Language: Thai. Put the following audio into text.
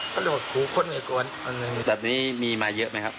ก็ยกว่าคูโคนไงกวนคงเอาไงอ่ะดับนี้มีมาเยอะไหมครับ